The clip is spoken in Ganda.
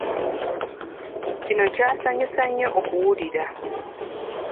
Kino kyasanyusa nnyo okuwulira.